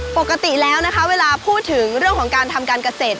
ปกติแล้วนะคะเวลาพูดถึงเรื่องของการทำการเกษตร